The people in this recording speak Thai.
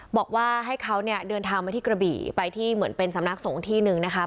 บอกว่าให้เขาเนี่ยเดินทางมาที่กระบี่ไปที่เหมือนเป็นสำนักสงฆ์ที่หนึ่งนะคะ